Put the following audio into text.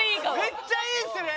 めっちゃいいですね！